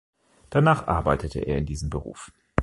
Danach arbeitete er in diesem Beruf.